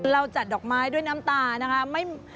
จัดดอกไม้ด้วยน้ำตานะคะ